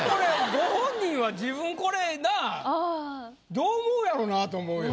ご本人は自分これなぁどう思うやろなと思うよ。